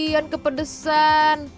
aduh kasian kepedesan